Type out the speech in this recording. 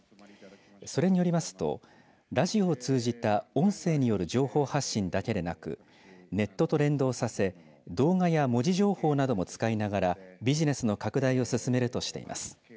それによりますとラジオを通じた音声による情報発信だけでなくネットと連動させ動画や文字情報なども使いながらビジネスの拡大を進めるとしています。